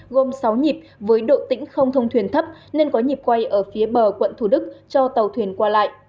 gồm sáu nhịp với độ tĩnh không thông thuyền thấp nên có nhịp quay ở phía bờ quận thủ đức cho tàu thuyền qua lại